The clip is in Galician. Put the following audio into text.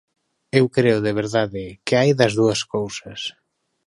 E eu creo, de verdade, que hai das dúas cousas.